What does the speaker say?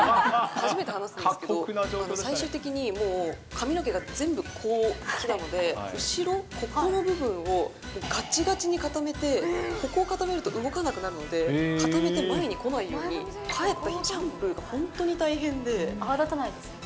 初めて話すんですけど、最終的に髪の毛が全部こう来たので、後ろ、ここの部分をがちがちに固めて、ここを固めると動かなくなるので、固めて前に来ないように、帰った泡立たないですよね。